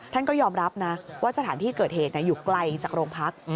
ก็ยอมรับนะว่าสถานที่เกิดเหตุอยู่ไกลจากโรงพัก